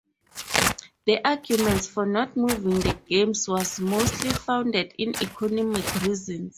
The arguments for not moving the games was mostly founded in economic reasons.